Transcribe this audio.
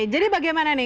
jadi bagaimana nih